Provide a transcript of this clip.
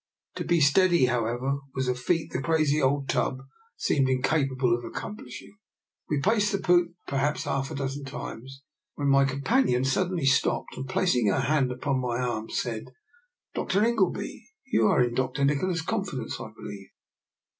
To be steady, however, was a feat the crazy old tub seemed incapable of accomplishing. We had paced the poop perhaps half a dozen times when my companion suddenly stopped, and placing her hand upon my arm, said: " Dr. Ingleby, you are in Dr. Nikola's confidence, I believe.